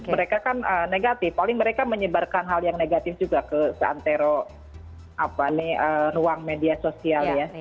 mereka kan negatif paling mereka menyebarkan hal yang negatif juga ke seantero ruang media sosial ya